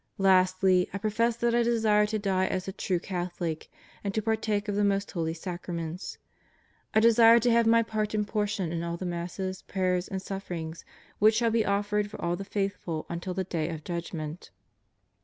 Lastly, I profess that I desire to die as a true Catholic and to partake of the most holy sacraments. I desire to have my part and portion in all the Masses, prayers, and sufferings which shall be offered for all the faithful until the Day of Judgment.